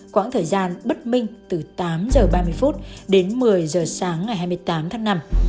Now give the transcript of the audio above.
quãng thời gian bất minh từ tám h ba mươi phút đến một mươi giờ sáng ngày hai mươi tám tháng năm